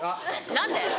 何で？